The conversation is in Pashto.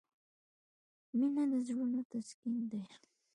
• مینه د زړونو تسکین دی.